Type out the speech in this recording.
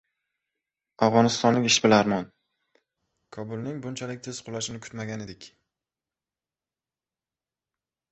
Afg‘onistonlik ishbilarmon: Kobulning bunchalik tez qulashini kutmagandik